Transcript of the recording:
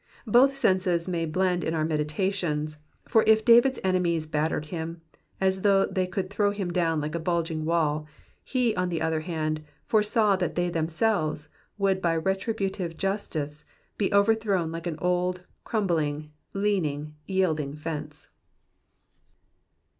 Both senses may blend in our medita tions ; for if David's enemies battered him as though they could throw him down like a bulging wall, he, on the other hand, foresaw that they themselves would by retributive justice be overthrown like an old, crumbling, leaning, yieldingfence.